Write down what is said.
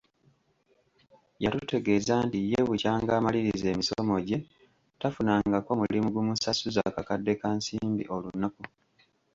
"Yatutegeeza nti ye bukyanga amaliriza emisomo gye, tafunangako mulimu gumusasuza kakadde ka nsimbi olunaku."